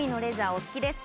お好きですか？